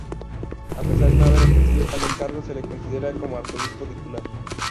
A pesar de no haber ejercido tal encargo, se le considera como arzobispo titular.